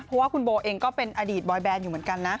เพราะว่าคุณโบเองก็เป็นอดีตบอยแบนอยู่เหมือนกันนะ